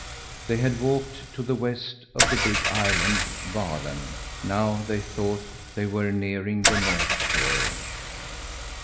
They had walked to the west of the big island, Valen; now they thought they were nearing the north shore.